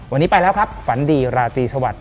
วันนี้ไปแล้วครับฝันดีราตรีสวัสดิ